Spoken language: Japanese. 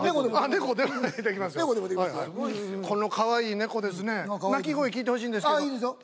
猫でもできますよこのかわいい猫ですね鳴き声聞いてほしいんですけどあっいいですよ